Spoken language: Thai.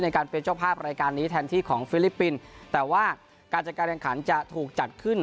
การเป็นเจ้าภาพรายการนี้แทนที่ของฟิลิปปินส์แต่ว่าการจัดการแข่งขันจะถูกจัดขึ้น